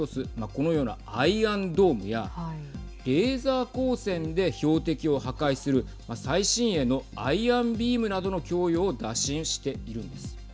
このようなアイアンドームやレーザー光線で標的を破壊する最新鋭のアイアンビームなどの供与を打診しているんです。